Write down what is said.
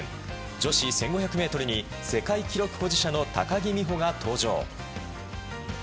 女子１５００ｍに世界記録保持者の高木美帆が登場。